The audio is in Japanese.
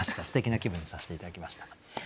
すてきな気分にさせて頂きました。